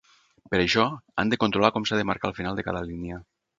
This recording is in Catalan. Per això, han de controlar com s'ha de marcar el final de cada línia.